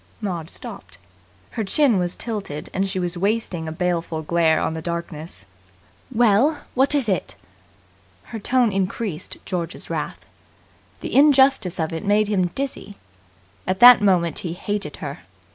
Maud stopped. Her chin was tilted, and she was wasting a baleful glare on the darkness. "Well, what is it?" Her tone increased George's wrath. The injustice of it made him dizzy. At that moment he hated her.